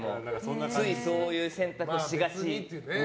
ついそういう選択をしがち。